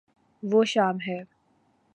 وہ شام ہے